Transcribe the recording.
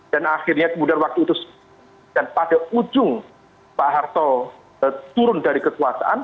dan akhirnya kemudian waktu itu dan pada ujung pak harto turun dari kekuasaan